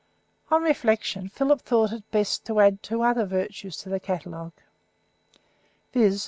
On reflection, Philip thought it best to add two other virtues to the catalogue viz.